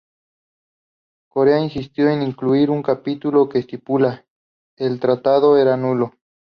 Corea insistió en incluir un capítulo que estipula "El tratado era nulo".